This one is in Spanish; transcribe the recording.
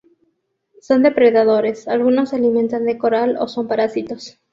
Son depredadores, algunos se alimentan de coral o son parásitos.